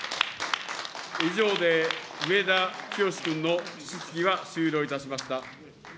以上で上田清司君の質疑が終了いたしました。